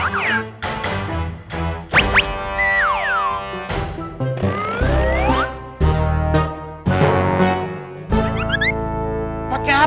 aduh pak herman